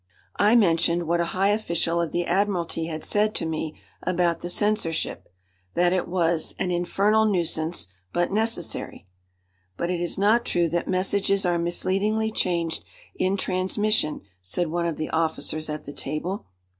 I mentioned what a high official of the admiralty had said to me about the censorship that it was "an infernal nuisance, but necessary." "But it is not true that messages are misleadingly changed in transmission," said one of the officers at the table.